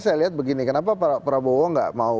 saya lihat begini kenapa prabowo gak mau